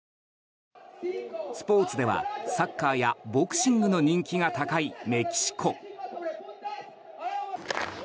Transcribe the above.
スポーツではサッカーやボクシングの人気が高いメキシコ。